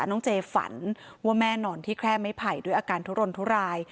น้องเจฝันว่าแม่นอนที่แคร่ไม้ไผ่ด้วยอาการทุรนทุราย